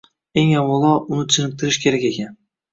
Eng avvalo, uni chiniqtirish kerak ekan